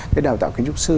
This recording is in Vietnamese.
cái đào tạo kiến trúc sư